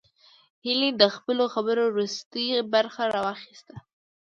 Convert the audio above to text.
هيلې د خپلو خبرو وروستۍ برخه راواخيسته